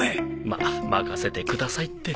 まあ任せてくださいって。